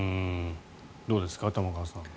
どうです、玉川さん。